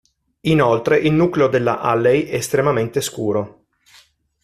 Inoltre il nucleo della Halley è estremamente scuro.